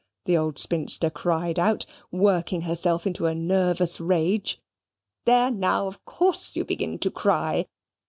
the old spinster cried out, working herself into a nervous rage "there now, of course you begin to cry.